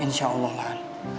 insya allah ulan